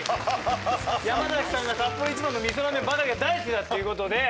山崎さんがサッポロ一番のみそラーメンバカリが大好きだっていう事で。